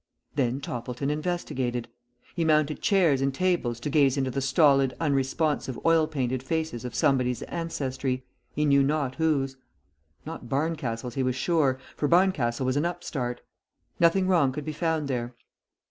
Then Toppleton investigated. He mounted chairs and tables to gaze into the stolid, unresponsive oil painted faces of somebody's ancestry, he knew not whose. Not Barncastle's, he was sure, for Barncastle was an upstart. Nothing wrong could be found there.